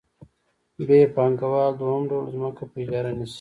ب پانګوال دویم ډول ځمکه په اجاره نیسي